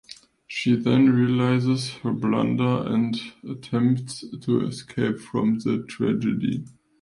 She then realizes her blunder and attempts to escape from the tragedy.